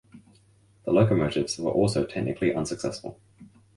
The locomotives were also technically unsuccessful.